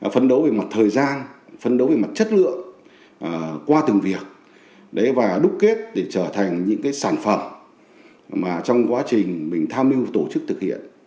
phấn đấu về mặt thời gian phấn đấu về mặt chất lượng qua từng việc và đúc kết để trở thành những sản phẩm mà trong quá trình mình tham mưu tổ chức thực hiện